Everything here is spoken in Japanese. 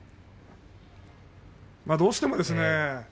どうしてもですね